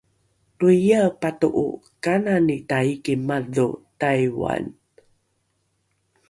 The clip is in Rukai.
loiae pato’o kanani taiki madho taiwan?